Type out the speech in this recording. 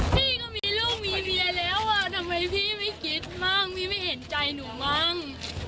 พี่ก็มีลูกมีเมียแล้วอ่ะทำไมพี่ไม่คิดมั่งพี่ไม่เห็นใจหนูมั่ง